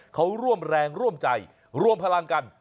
เขาร่วมแรงร่วมใจรวมพลังกัน